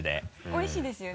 おいしいですよね？